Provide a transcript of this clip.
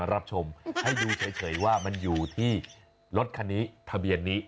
รถฐะเอ็งว่ามันอยู่ที่รถฐะเวียนนี้